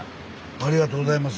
ありがとうございます。